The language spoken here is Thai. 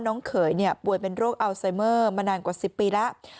เขยป่วยเป็นโรคอัลไซเมอร์มานานกว่า๑๐ปีแล้ว